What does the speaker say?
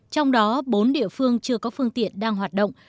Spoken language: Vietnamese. trong đó bốn địa phương chưa có phương tiện đang hoạt động